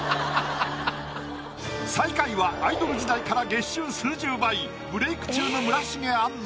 最下位はアイドル時代から月収数十倍ブレイク中の村重杏奈。